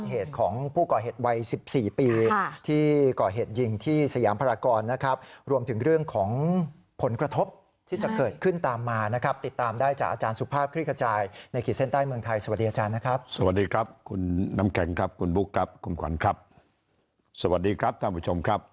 เหตุของผู้ก่อเห็นเมืองไวษ